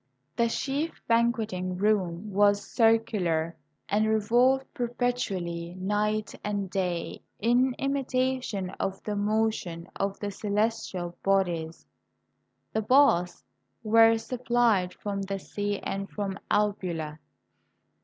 The chief banqueting room was circular, and re volved perpetually, night and day, in imitation of the mo tion of the celestial bodies. The baths were supplied from the sea and from Albula.